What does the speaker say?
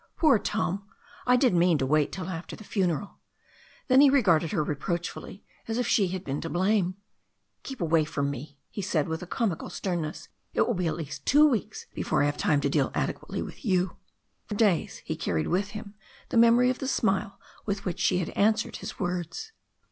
"Poor Tom. I did mean to wait till after the funeral." Then he regarded her reproachfully, as if she had been to blame. 4i6 THE STORY OF A NEW ZEALAND RIVEK "Keep away from me/' he said with a comical sternness. "It will be at least two weeks before I have time to deal adequately with you." For days he carried with him the memory of the smile with which she had answered his words.